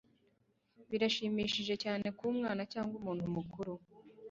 Birashimishije cyane kuba umwana cyangwa umuntu mukuru?